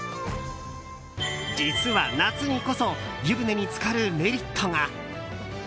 実は夏にこそ湯船に浸かるメリットが。